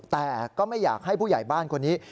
แต่ก็ไม่อยากให้ผู้ใหญ่บ้านคนนี้